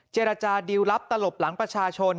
เจรจาดิวลลับตลบหลังประชาชน